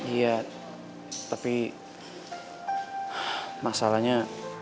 iya tapi masalahnya